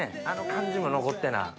あの感じも残ってな。